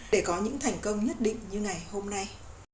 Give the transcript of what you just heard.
để có những thành công nhất định như ngày hôm nay